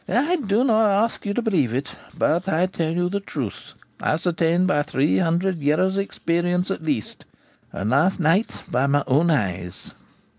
' I do not ask you to believe it; but I tell you the truth, ascertained by three hundred years' experience at least, and last night by my own eyes.'